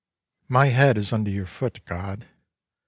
" My head is under your foot, God.